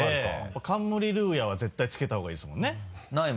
「冠ルーヤ」は絶対付けた方がいいですもんね。